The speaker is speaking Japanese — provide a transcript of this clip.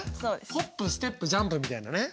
ホップステップジャンプみたいなね。